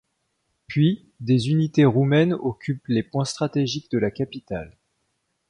Puis, des unités roumaines occupent les points stratégiques de la capitale.